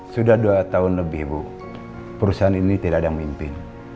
sudah dua tahun lebih bu perusahaan ini tidak ada yang mimpin